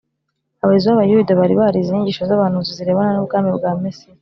Abayobozi b’Abayuda bari barize inyigisho z’abahanuzi zirebana n’ubwami bwa Mesiya,